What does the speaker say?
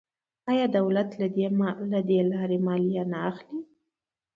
آیا دولت له دې لارې مالیه نه اخلي؟